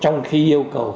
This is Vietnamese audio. trong khi yêu cầu